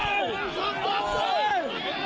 พระบุว่าจะมารับคนให้เดินทางเข้าไปในวัดพระธรรมกาลนะคะ